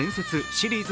シリーズ